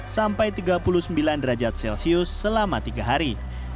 tiga puluh tujuh lima sampai tiga puluh sembilan derajat celcius selama tiga hari